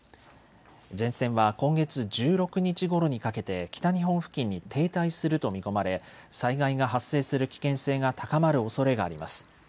前線は今月１６日ごろにかけて北日本付近に停滞すると見込まれ災害が発生する危険性が高まるおそれがあります。